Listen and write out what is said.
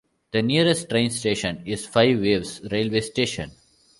The nearest train station is Five Ways railway station.